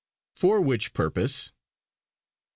For which purpose" &c.